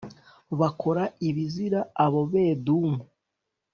bakora ibizira abo bedumu